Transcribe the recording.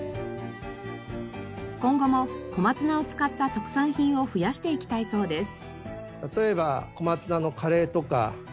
今後も小松菜を使った特産品を増やしていきたいそうです。